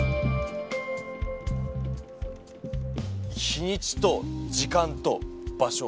日にちと時間と場所。